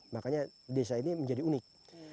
makanya desa ini menjadi unik